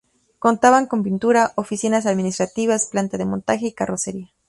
Contaban con pintura, oficinas administrativas, planta de montaje y carrocería.